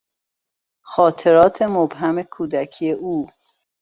خاطرات مبهم کودکی او